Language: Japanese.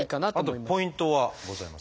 あとポイントはございますか？